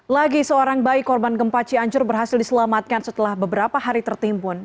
lagi seorang bayi korban gempa cianjur berhasil diselamatkan setelah beberapa hari tertimbun